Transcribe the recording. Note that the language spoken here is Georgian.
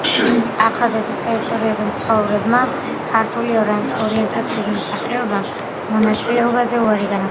აფხაზეთის ტერიტორიაზე მცხოვრებმა ქართული ორიენტაციის მოსახლეობამ მონაწილეობაზე უარი განაცხადა.